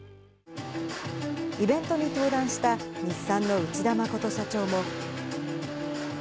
イベントに登壇した、日産の内田誠社長も。